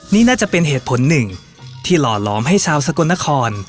นี่น่าจะเป็นเหตุผลหนึ่งที่หล่อล้อมให้ชาวสกลนคร